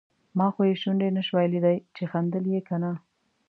ما خو یې شونډې نشوای لیدای چې خندل یې که نه.